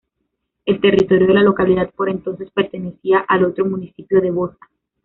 El territorio de la localidad por entonces, pertenecía al otro municipio de Bosa.